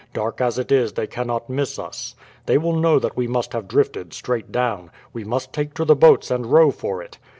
Dark as it is they cannot miss us. They will know that we must have drifted straight down. We must take to the boats and row for it."